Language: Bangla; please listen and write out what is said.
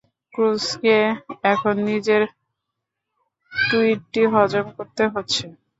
ক্রুসকে এখন নিজের টুইটটি হজম করতে হচ্ছে।